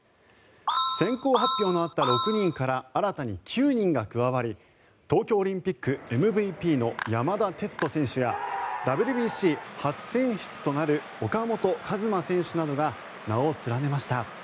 先行発表のあった６人から新たに９人が加わり東京オリンピックＭＶＰの山田哲人選手やＷＢＣ初選出となる岡本和真選手などが名を連ねました。